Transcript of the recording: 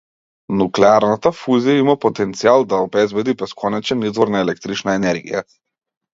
Нуклеарната фузија има потенцијал да обезбеди бесконечен извор на електрична енергија.